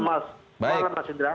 selamat malam mas indra